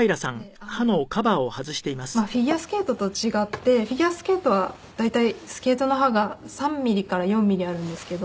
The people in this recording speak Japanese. でフィギュアスケートと違ってフィギュアスケートは大体スケートの刃が３ミリから４ミリあるんですけど。